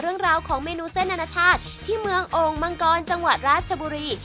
เรื่องราวของเมนูเส้นอนาชาติที่เมืองโอ่งมังกรจังหวัดราชบุรี